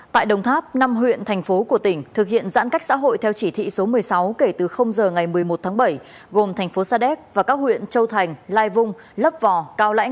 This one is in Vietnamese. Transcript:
tại đồng tháp năm huyện thành phố của tỉnh thực hiện giãn cách xã hội theo chỉ thị số một mươi sáu kể từ giờ ngày một mươi một tháng bảy gồm thành phố sa đéc và các huyện châu thành lai vung lấp vò cao lãnh